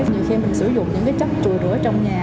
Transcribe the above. nhiều khi mình sử dụng những cái chất trù rửa trong nhà